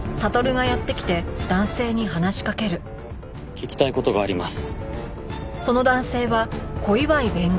聞きたい事があります。